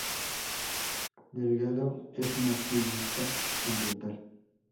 Delgado es una activista ambiental.